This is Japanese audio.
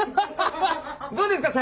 どうですか？